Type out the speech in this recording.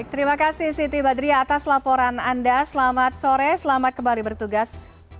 terima kasih siti badriah atas laporan anda selamat sore selamat kembali bertugas